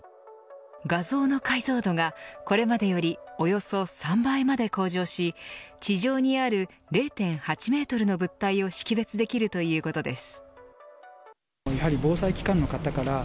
画像の解像度がこれまでよりおよそ３倍まで向上し地上にある０．８メートルの物体を識別できるということです。